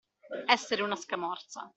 Essere una scamorza.